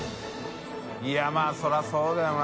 いまぁそりゃそうだよな